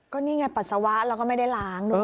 ก็นี่ไงปัสสาวะแล้วก็ไม่ได้ล้างด้วย